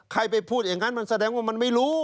ไปพูดอย่างนั้นมันแสดงว่ามันไม่รู้